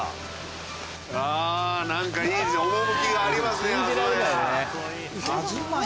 あぁ何かいいですね趣がありますね東屋。